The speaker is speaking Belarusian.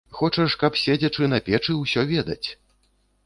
Хочаш, каб, седзячы на печы, усё ведаць.